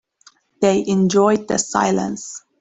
They enjoyed the silence.